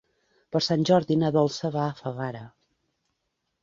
Per Sant Jordi na Dolça va a Favara.